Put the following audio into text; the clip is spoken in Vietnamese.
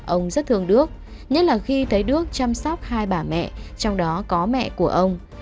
ông rất thương đước nhất là khi thấy đức chăm sóc hai bà mẹ trong đó có mẹ của ông